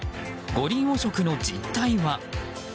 五輪汚職の実態は？